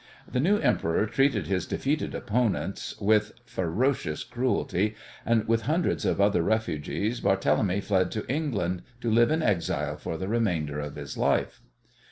The new emperor treated his defeated opponents with ferocious cruelty, and with hundreds of other refugees Barthélemy fled to England to live in exile for the remainder of his life.